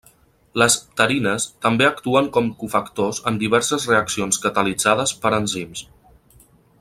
Les pterines també actuen com cofactors en diverses reaccions catalitzades per enzims.